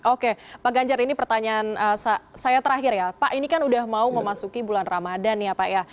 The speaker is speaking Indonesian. oke pak ganjar ini pertanyaan saya terakhir ya pak ini kan udah mau memasuki bulan ramadan ya pak ya